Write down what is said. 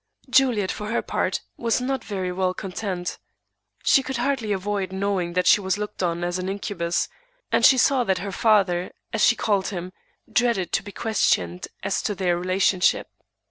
Juliet, for her part, was not very well content. She could hardly avoid knowing that she was looked on as an incubus, and she saw that her father, as she called him, dreaded to be questioned as to their relationship.